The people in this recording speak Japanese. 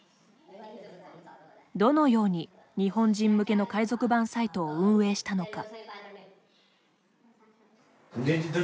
どのように、日本人向けの海賊版サイトを運営したのか。